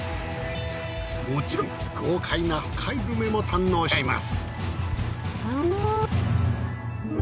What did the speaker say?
もちろん豪快な北海道グルメも堪能しちゃいます。